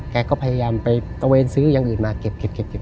แกก็พยายามไปตะเวนซื้ออย่างอื่นมาเก็บ